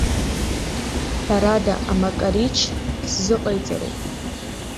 Ҳәарада, амакарич сзыҟаиҵароуп.